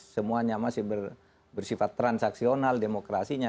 semuanya masih bersifat transaksional demokrasinya